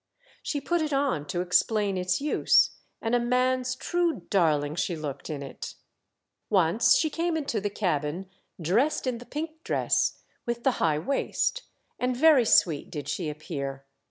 She put it on to explain its use. and a man's true darling she looked in it. Once she came into the cabin dressed in the pink dress with the high waist ; and very sweet did she appear.